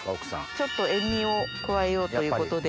ちょっと塩みを加えようということで。